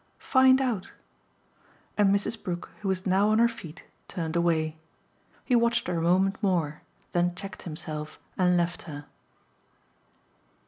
"Find out!" And Mrs. Brook, who was now on her feet, turned away. He watched her a moment more, then checked himself and left her.